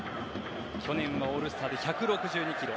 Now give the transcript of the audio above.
去年のオールスターで１６２キロ。